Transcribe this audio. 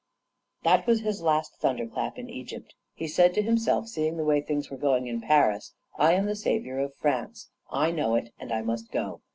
"That was his last thunder clap in Egypt. He said to himself, seeing the way things were going in Paris, 'I am the saviour of France; I know it, and I must go.'